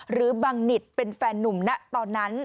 หรือบังนิดเป็นแฟนนุ่มนะตอนนั้น